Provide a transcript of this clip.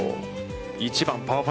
１番パー５。